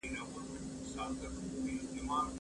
زه مخکي ليکنه کړې وه